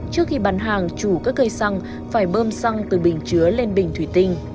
trước khi bán hàng chủ các cây xăng phải bơm xăng từ bình chứa lên bình thủy tinh